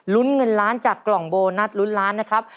เงินล้านจากกล่องโบนัสลุ้นล้านนะครับ